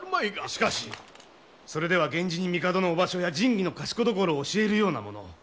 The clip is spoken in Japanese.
しかしそれでは源氏に帝のお場所や神器の賢所を教えるようなもの。